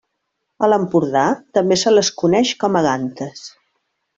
A l'Empordà, també se les coneix com a gantes.